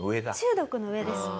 中毒の上です。